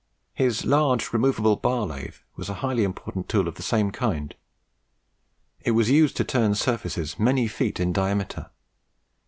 His large removable bar lathe was a highly important tool of the same kind. It was used to turn surfaces many feet in diameter.